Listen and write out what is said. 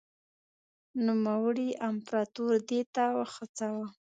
نوموړي امپراتور دې ته وهڅاوه.